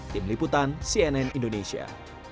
tim liputan cnn indonesia